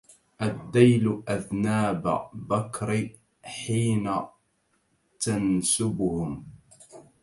الديل أذناب بكر حين تنسبهم